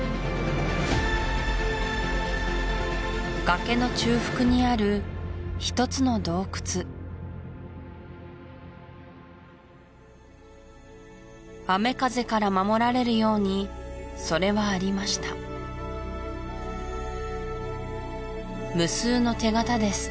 崖の中腹にある一つの洞窟雨風から守られるようにそれはありました無数の手形です